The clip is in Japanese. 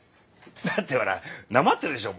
だってほらなまってるでしょ